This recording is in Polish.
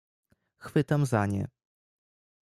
"Chwytam za nie."